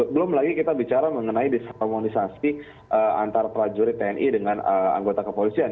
belum lagi kita bicara mengenai diskromonisasi antara prajurit tni dengan anggota kepolisian